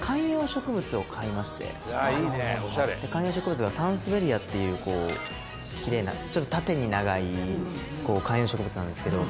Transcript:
僕観葉植物がサンスベリアっていうこうきれいなちょっと縦に長い観葉植物なんですけど。